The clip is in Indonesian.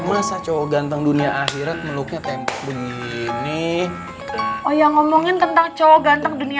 masa cowok ganteng dunia akhirat meluknya tempe begini oh yang ngomongin kentang cowok ganteng dunia